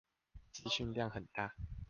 資訊量很大